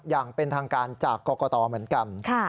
อย่างเป็นทางการจากกรกตเหมือนกัน